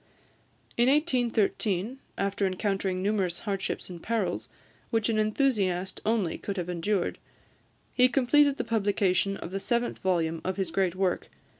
In 1813, after encountering numerous hardships and perils, which an enthusiast only could have endured, he completed the publication of the seventh volume of his great work.